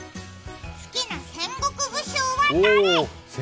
好きな戦国武将は誰？